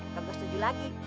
mpok setuju lagi